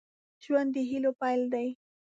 ژوند د هيلو پيل دی.